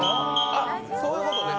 あ、そういうことね。